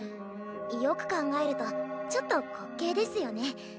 よく考えるとちょっと滑稽ですよね。